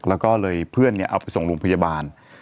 แล้วเพื่อนออกมาก็ส่งไปพยาบาล